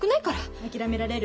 諦められる？